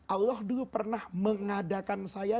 allah dulu pernah mengadakan saya